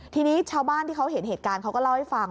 ทีนี้ชาวบ้านที่เขาเห็นเหตุการณ์เขาก็เล่าให้ฟัง